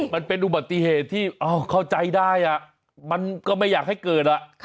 มันเป็นอุบัติเหตุที่เข้าใจได้มันก็ไม่อยากให้เกิด